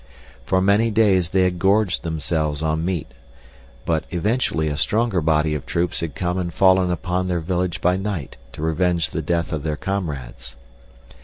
For many days they had gorged themselves on meat, but eventually a stronger body of troops had come and fallen upon their village by night to revenge the death of their comrades.